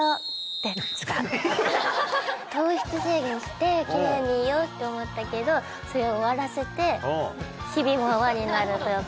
糖質制限して綺麗にいようって思ったけどそれを終わらせて日々も泡になるというか。